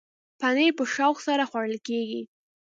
پنېر په شوق سره خوړل کېږي.